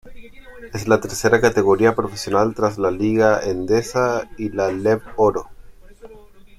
Es la tercera categoría profesional tras la Liga Endesa y la Leb Oro.